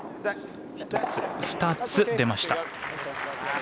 ２つ出ました。